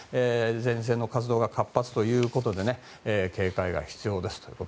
前線の活動が活発ということで警戒が必要です。